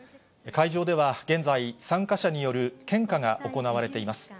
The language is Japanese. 会場では現在、参加者による献花が行われています。